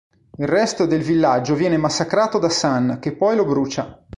Il resto del villaggio viene massacrato da San che poi lo brucia.